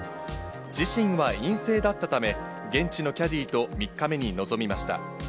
自身は陰性だったため、現地のキャディーと３日目に臨みました。